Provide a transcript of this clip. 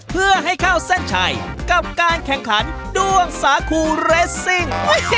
เพื่อให้เข้าเส้นชัยกับการแข่งขันด้วงสาคูเรสซิ่ง